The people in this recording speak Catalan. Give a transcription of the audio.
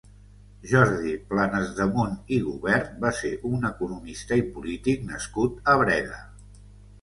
Jordi Planasdemunt i Gubert va ser un economista i polític nascut a Breda.